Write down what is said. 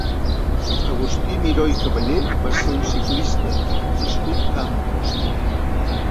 Agustí Miró i Caballé va ser un ciclista nascut a Amposta.